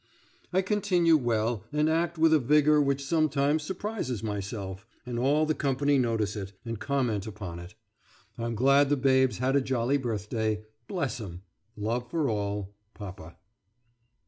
I continue well, and act with a vigour which sometimes surprises myself, and all the company notice it, and comment upon it. I'm glad the babes had a jolly birthday. Bless 'em! Love for all. PAPA.